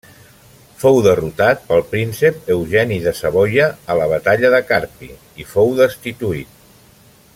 Fou derrotat pel Príncep Eugeni de Savoia a la Batalla de Carpi i fou destituït.